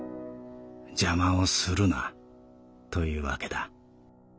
邪魔をするなというわけだ。